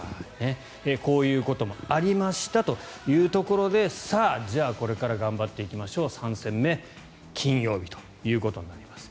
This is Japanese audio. こういうこともありましたというところでさあ、じゃあこれから頑張っていきましょう３戦目、金曜日ということになります。